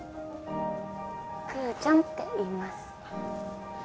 クーちゃんっていいます。